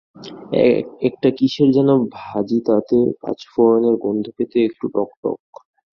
একটা কিসের যেন ভাজি, তাতে পাঁচফোড়নের গন্ধ-খেতে একটু টক-টক।